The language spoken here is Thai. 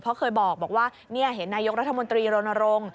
เพราะเคยบอกว่าเห็นนายกรัฐมนตรีโรนโรง